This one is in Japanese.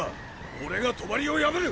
俺が帳を破る！